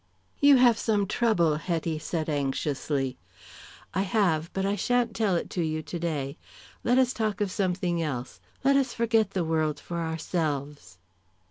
"You have some trouble," Hetty said anxiously. "I have," Gordon said, "but I shan't tell it to you today. Let us talk of something else. Let us forget the world for ourselves."